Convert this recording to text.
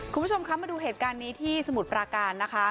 คุณผู้ชมคะมาดูเหตุการณ์นี้ที่สมุทรปราการนะคะ